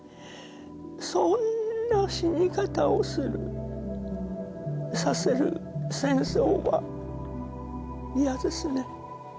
そんな死に方をするさせる戦争は嫌ですね